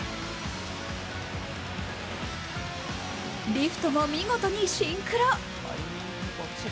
リフトも見事にシンクロ。